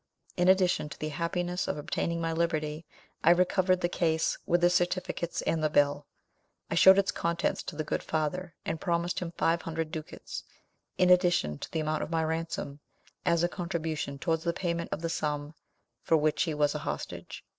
In addition to the happiness of obtaining my liberty, I recovered the case with the certificates and the bill. I showed its contents to the good father, and promised him five hundred ducats, in addition to the amount of my ransom, as a contribution towards the payment of the sum for which he was a hostage.